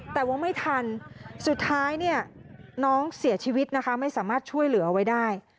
แต่ว่าไม่ทันสุดท้ายเนี่ยน้องเสียชีวิตนะคะไม่สามารถช่วยเหลือไว้ได้